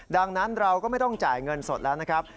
ดังนั้นเราก็ไม่ต้องจ่ายเงินสดแล้วนะครับ